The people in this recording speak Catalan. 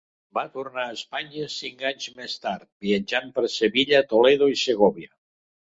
Va tornar a Espanya cinc anys més tard, viatjant per Sevilla, Toledo i Segòvia.